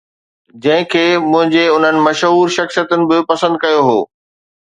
جنهن کي منهنجي انهن مشهور شخصيتن به پسند ڪيو هو.